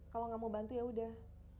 kalau nggak mau bantu yaudah